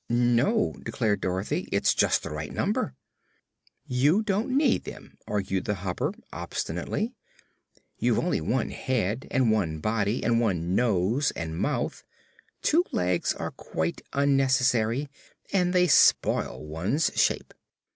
"No," declared Dorothy, "it's just the right number." "You don't need them," argued the Hopper, obstinately. "You've only one head, and one body, and one nose and mouth. Two legs are quite unnecessary, and they spoil one's shape."